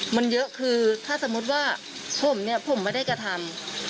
มันเยอะคือถ้าสมมุติว่าผมเนี่ยผมไม่ได้กระทำ